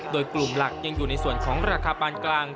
โดยกลุ่มหลักยังอยู่ในส่วนของราคาปานกลาง